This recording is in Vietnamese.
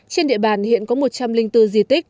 trên địa bàn hiện có một trăm linh bốn di tích